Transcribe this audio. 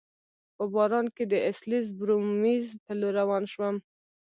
په باران کي د اسلز بورومیز په لور روان شوم.